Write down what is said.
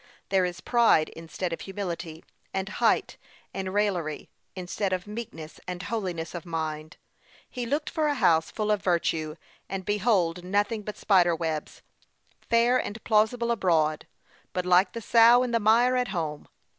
There is pride instead of humility, and height and raillery instead of meekness and holiness of mind. He looked for a house full of virtue, and behold nothing but spider webs; fair and plausible abroad, but like the sow in the mire at home.